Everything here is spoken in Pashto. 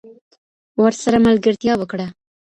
ورسره ملګرتیا وکړه